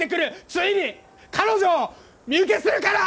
ついに彼女を身請けするから！